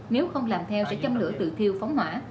nếu không làm theo sẽ châm lửa tự thiêu phóng hỏa